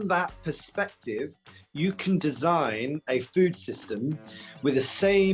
dari perspektif itu anda bisa menginstallasi sistem makanan